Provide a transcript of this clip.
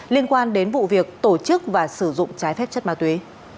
liên quan đến vụ việc tổ chức và sử dụng trái phép chất ma túy